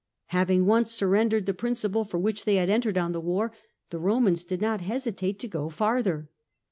Having once surrendered the principle for which they had entered on the war, the Romans did not hesitate to go farther.